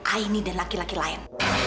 aini dan laki laki lain